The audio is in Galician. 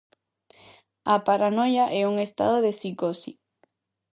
A paranoia é un estado de psicose.